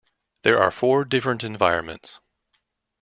There are four different environments.